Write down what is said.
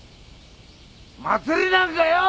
祭りなんかよー！